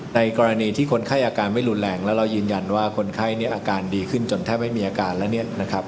ในกรณีที่คนไข้อาการไม่รุนแรงแล้วเรายืนยันว่าคนไข้เนี่ยอาการดีขึ้นจนแทบไม่มีอาการแล้วเนี่ยนะครับ